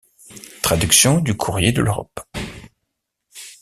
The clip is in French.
Traduction du Courrier de l’Europe.